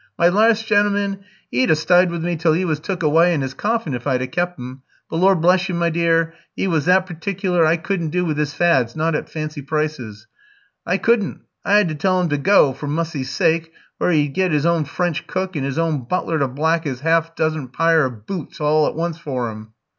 My larst gentleman, 'e'd a styd with me till 'e was took awy in 'is coffin if I'd a kep' 'im; but Lor' bless you, my dear, 'e was that pertic'ler I couldn't do with 'is fads, not at fancy prices, I couldn't. I 'ad to tell 'im to gow, for Mussy's syke, where 'e'd git 'is own French cook, and 'is own butler to black 'is 'arf doz'n pyre o' boots all at once for 'im."